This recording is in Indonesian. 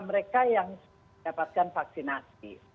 mereka yang mendapatkan vaksinasi